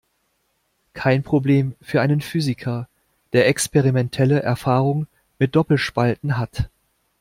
Kein Problem für einen Physiker, der experimentelle Erfahrung mit Doppelspalten hat.